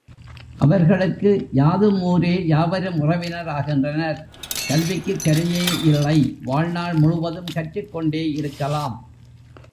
அவர்களுக்கு யாதும் ஊரே யாவரும் உறவினர் ஆகின்றனர் கல்விக்குக் கரையே இல்லை வாழ்நாள் முழுவதும் கற்றுக்கொண்டே இருக்கலாம்.